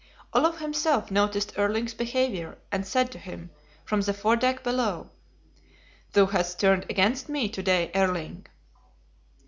Olaf himself noticed Erling's behavior, and said to him, from the foredeck below, "Thou hast turned against me to day, Erling."